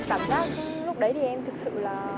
cảm giác lúc đấy thì em thực sự là